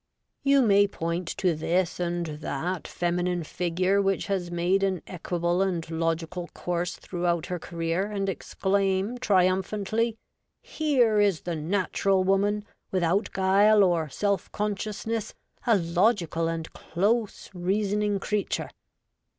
You may point to this and that feminine figure which has made an equable and logical course WOMAN UP TO DATE. 19 throughout her career, and exclaim triumphantly, ' Here is the natural woman, without guile or self consciousness : a logical and close reasoning crea ture.'